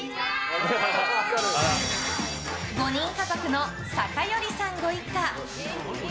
５人家族の酒寄さんご一家。